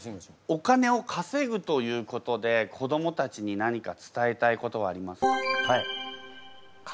お金をかせぐということで子どもたちに何か伝えたいことはありますか？